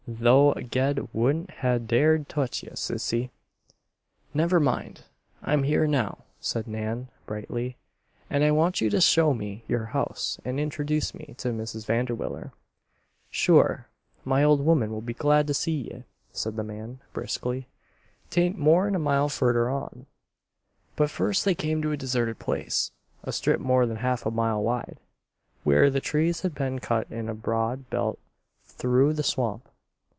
Though Ged wouldn't ha' dared touch ye, Sissy." "Never mind. I'm here now," said Nan, brightly. "And I want you to show me your house and introduce me to Mrs. Vanderwiller." "Sure. My ol' woman will be glad to see ye," said the man, briskly. "'Tain't more'n a mile furder on." But first they came to a deserted place, a strip more than half a mile wide, where the trees had been cut in a broad belt through the swamp.